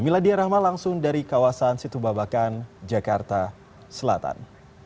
mila diyarrahma langsung dari kawasan setu babakan jakarta selatan